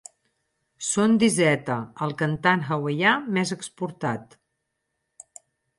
Són d'Izeta, el cantant hawaià més exportat.